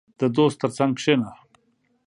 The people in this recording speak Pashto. • د دوست تر څنګ کښېنه.